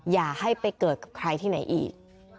อย่าให้ไปเกิดกับใครที่ไหนอีก